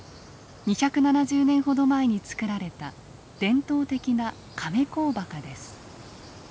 ２７０年ほど前につくられた伝統的な「亀甲墓」です。